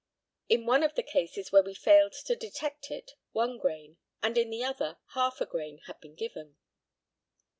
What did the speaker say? In one of the cases where we failed to detect it one grain, and in the other half a grain had been given.